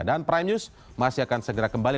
dan prime news masih akan segera kembali